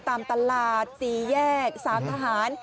ตามตลาดตีแยกสามทหาร